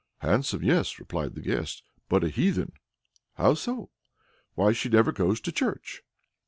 "Handsome, yes!" reply the guests, "but a heathen." "How so?" "Why, she never goes to church."